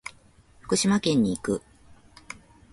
福島県に行く。